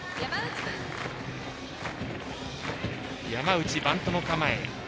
山内、バントの構え。